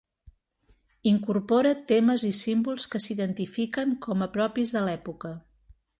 Incorpora temes i símbols que s'identifiquen com a propis de l'època.